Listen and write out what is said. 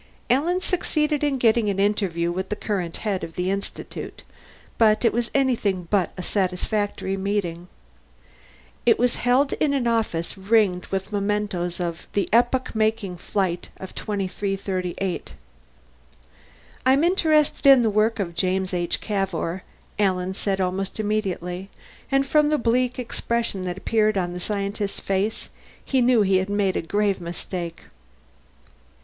Alan succeeded in getting an interview with the current head of the Institute, but it was anything but a satisfactory meeting. It was held in an office ringed with mementoes of the epoch making test flight of 2338. "I'm interested in the work of James H. Cavour," Alan said almost immediately and from the bleak expression that appeared on the scientist's face, he knew he had made a grave mistake.